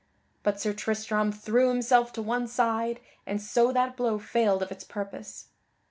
But Sir Tristram threw himself to one side and so that blow failed of its purpose.